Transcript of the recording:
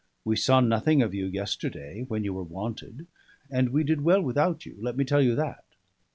We saw nothing of you yesterday, when you were wanted; and we did well without you, let me tell you that."